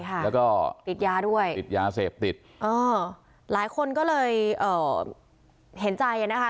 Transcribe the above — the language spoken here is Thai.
ใช่ค่ะแล้วก็ติดยาด้วยติดยาเสพติดอ๋อหลายคนก็เลยเห็นใจนะคะ